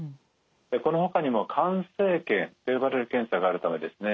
このほかにも肝生検と呼ばれる検査があるためですね。